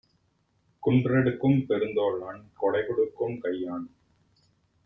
குன்றெடுக்கும் பெருந்தோளான் கொடைகொடுக்கும் கையான்!